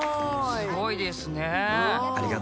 すごいですね。